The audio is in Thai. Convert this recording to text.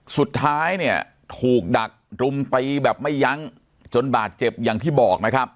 สุดท้ายเนี่ยถูกดักรุมตีแบบไม่ยั้งจนบาดเจ็บอย่างที่บอกนะครับ